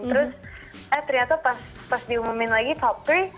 terus eh ternyata pas diumumin lagi top tiga